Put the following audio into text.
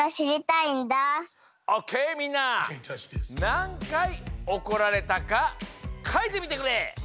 なんかいおこられたかかいてみてくれ！